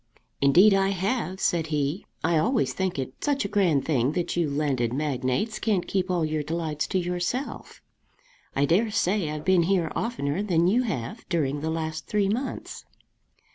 "Indeed I have," said he. "I always think it such a grand thing that you landed magnates can't keep all your delights to yourself. I dare say I've been here oftener than you have during the last three months."